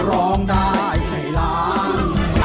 ร้องได้ให้ล้าน